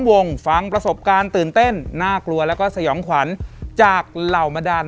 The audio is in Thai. วงฟังประสบการณ์ตื่นเต้นน่ากลัวแล้วก็สยองขวัญจากเหล่าบรรดาล